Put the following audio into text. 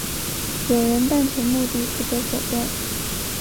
有人但求目的不择手段。